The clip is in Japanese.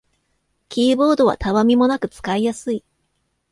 キーボードはたわみもなく使いやすい